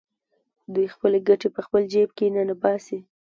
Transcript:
دوی خپلې ګټې په خپل جېب کې ننباسي